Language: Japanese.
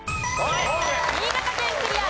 新潟県クリア。